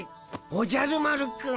おじゃる丸くん。